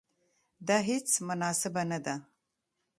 دا هیڅ مناسبه نه ده.